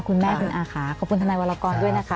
คุณแม่คุณอาค่ะขอบคุณทนายวรกรด้วยนะคะ